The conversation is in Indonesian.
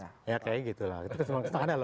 ya kayaknya gitu lho itu kesempatan lho